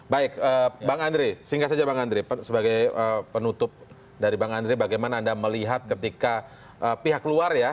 baik bang andri singkat saja sebagai penutup dari bang andri bagaimana anda melihat ketika pihak luar ya